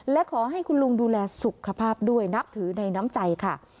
และขอให้คุณลุงดูแลสุขภาพด้วยนับถือในน้ำใจค่ะ